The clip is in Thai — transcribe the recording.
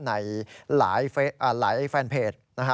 ในหลายแฟนเพจ